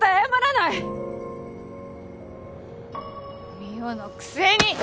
望緒のくせに！